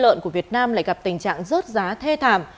lợn của việt nam lại gặp tình trạng rớt giá thê thảm